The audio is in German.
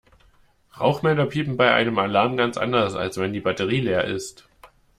Rauchmelder piepen bei einem Alarm ganz anders, als wenn die Batterie leer ist.